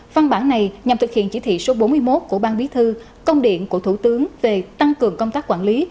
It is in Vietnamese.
văn bản này nhằm thực hiện chỉ thị số bốn mươi một của ban bí thư công điện của thủ tướng về tăng cường công tác quản lý